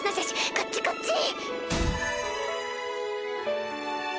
こっちこっち！